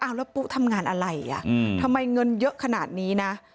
แล้วปุ๊ทำงานอะไรอ่ะทำไมเงินเยอะขนาดนี้นะ